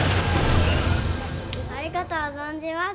ありがとう存じます